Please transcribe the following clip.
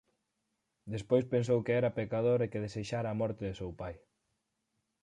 Despois pensou que era pecador e que desexara a morte do seu pai.